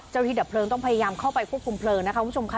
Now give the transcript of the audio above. ที่ดับเพลิงต้องพยายามเข้าไปควบคุมเพลิงนะคะคุณผู้ชมค่ะ